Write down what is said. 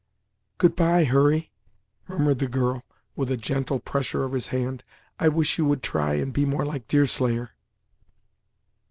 "Good bye, Hurry," murmured the girl, with a gentle pressure of his hand. "I wish you would try and be more like Deerslayer."